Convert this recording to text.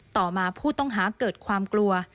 ต่อมาผู้ต้องหาเกิดความกลัว